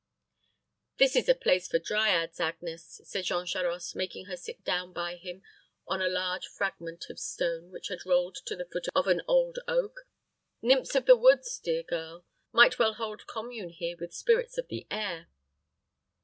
"This is a place for Dryads, Agnes," said Jean Charost, making her sit down by him on a large fragment of stone which had rolled to the foot of an old oak. "Nymphs of the woods, dear girl, might well hold commune here with spirits of the air."